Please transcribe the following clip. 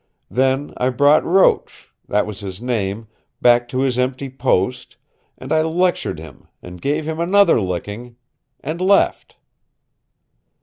Then I brought Roach that was his name back to his empty post, and I lectured him, an' gave him another licking and left."